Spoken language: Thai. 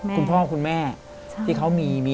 แต่ขอให้เรียนจบปริญญาตรีก่อน